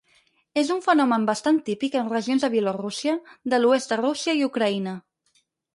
És un fenomen bastant típic en regions de Bielorússia, de l'oest de Rússia i Ucraïna.